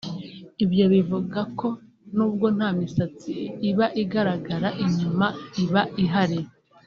Ibyo bivuze ko nubwo nta misatsi iba igaragara inyuma iba ihari